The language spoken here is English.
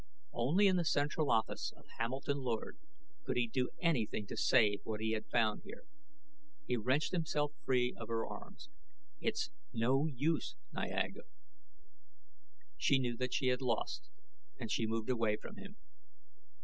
Only in the central office of Hamilton Lord could he do anything to save what he had found here. He wrenched himself free of her arms. "It's no use, Niaga." She knew that she had lost, and she moved away from him.